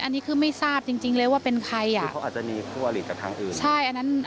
อันนี้คือไม่ทราบจริงเลยว่าเป็นใครอ่ะอันนั้นไม่รู้เลยจริงอ่ะว่าจะเป็นว่าเป็นใครเข้าไปอ่ะ